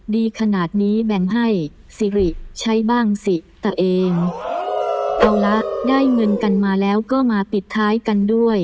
ดีขนาดนี้แบ่งให้สิริใช้บ้างสิตัวเองเอาละได้เงินกันมาแล้วก็มาปิดท้ายกันด้วย